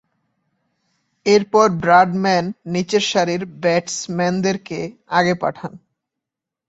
এরপর ব্র্যাডম্যান নিচেরসারির ব্যাটসম্যানদেরকে আগে পাঠান।